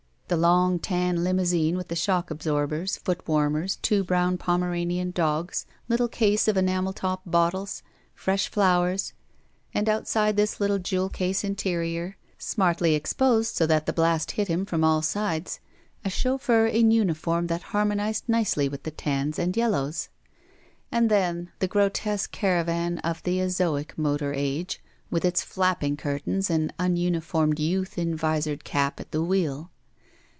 The long tan limousine with the shock absorbers, foot warmers, two brown Pomer anian dogs, little case of enamel top bottles, fresh flowers, and outside this little jewel case interior, smartly exposed, so that the blast hit him from all sides, a chauffeur in tmiform that harmonized nicely with the tans and yellows. And then the grotesque caravan of the Aioic motor age, with its flapping curtains and ununif ormed youth in visored cap at the wheel.